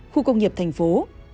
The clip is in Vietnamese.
khu công nghiệp thành phố